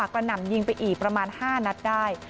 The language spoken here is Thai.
หน่ำยิงไปอีกประมาณ๕นัดได้